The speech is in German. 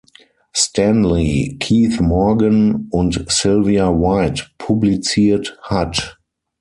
Stanley, Keith Morgan und Sylvia White publiziert hat.